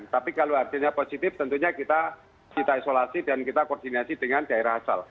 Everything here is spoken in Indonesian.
tapi kalau artinya positif tentunya kita isolasi dan kita koordinasi dengan daerah asal